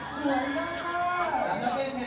สวยแล้วฮะ